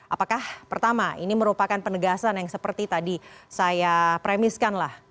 apakah pertama ini merupakan penegasan yang seperti tadi saya premiskan lah